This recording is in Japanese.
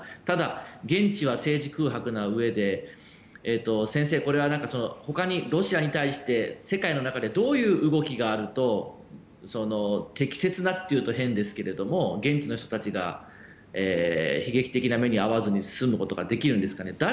ただ、現地は政治空白なうえ先生、これは他にロシアに対して世界の中でどういう動きがあると適切なと言うと変ですが現地の人たちが悲劇的な目に遭わずに済むことができるんですかね。